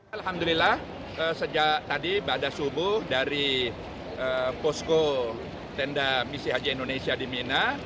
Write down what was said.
alhamdulillah sejak tadi pada subuh dari posko tenda misi haji indonesia di mina